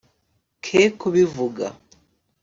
ke kibivuga